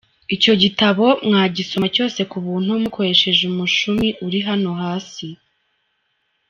Icyo gitabo mwagisoma cyose ku buntu mukoresheje umushumi uri hano hasi: